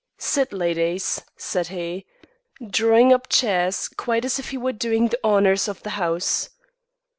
"Sit, ladies," said he, drawing up chairs quite as if he were doing the honours of the house.